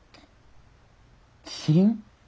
キリン？